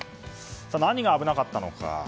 何が危なかったのか。